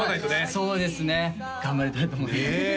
そうですね頑張りたいと思います